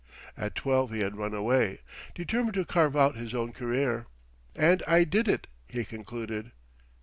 At twelve he had run away, determined to carve out his own career, "And I did it," he concluded.